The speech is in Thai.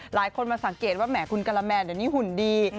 หลายคนมาสังเกตว่าแหมคุณกะละแมนเดี๋ยวนี้หุ่นดี